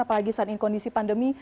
apalagi saat ini kondisi pandemi